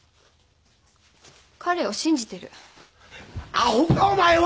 アホかお前は！